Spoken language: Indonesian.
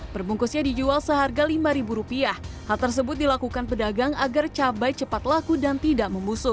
perbungkusnya dijual seharga lima ribu rupiah hal tersebut dilakukan pedagang agar cabai cepat laku dan tidak membusuk